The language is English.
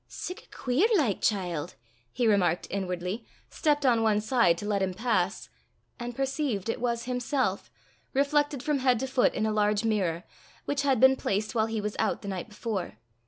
"Sic a queer like chiel!" he remarked inwardly, stepped on one side to let him pass and perceived it was himself reflected from head to foot in a large mirror, which had been placed while he was out the night before.